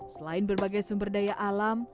selain berbagai sumber daya alam